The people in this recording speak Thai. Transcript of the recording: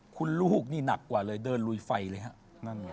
คุณลูกนี่หนักกว่าเลยเดินลุยไฟเลยฮะนั่นไง